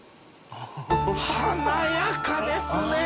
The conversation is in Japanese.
華やかですねこれ。